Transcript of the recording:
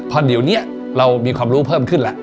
เพราะเดี๋ยวนี้เรามีความรู้เพิ่มขึ้นแล้ว